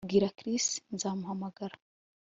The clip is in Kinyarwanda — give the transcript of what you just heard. Bwira Chris nzamuhamagara